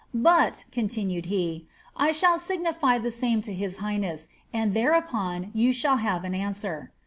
* But,' continued he, ' I shall signify the same to his higttn'.'7»s. and thereupon you shall have an answer.'